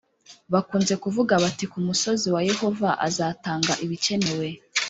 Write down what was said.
Bakunze kuvuga bati ku musozi wa yehova azatanga ibikenewe